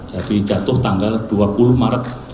jadi jatuh tanggal dua puluh maret